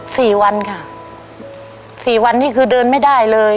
สี่วันค่ะสี่วันนี้คือเดินไม่ได้เลย